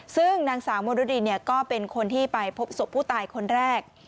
ซึ่งนางสาวมรุดินก็เป็นคนที่ไปพบศพผู้ตายคนแรก